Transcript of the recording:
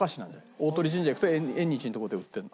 大鳥神社行くと縁日の所で売ってるの。